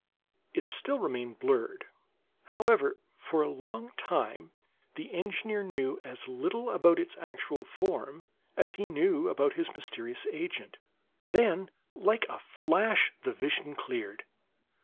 It still remained blurred, however; for a long time the engineer knew as little about its actual form as he knew about his mysterious agent. Then, like a flash, the vision cleared.